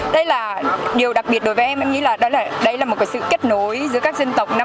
đây là điều đặc biệt đối với em em nghĩ là đây là một sự kết nối giữa các dân tộc